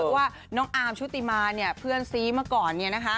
ว่าน้องอาร์มชุติมารเนี่ยเพื่อนซีมาก่อนเนี่ยนะคะ